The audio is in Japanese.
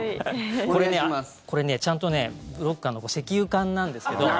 これね、ちゃんとブロック石油缶なんですよ。